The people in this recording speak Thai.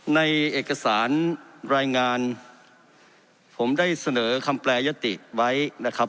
ในเอกสารรายงานผมได้เสนอคำแปรยติไว้นะครับ